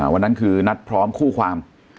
วันนั้นคือนัดพร้อมคู่ความ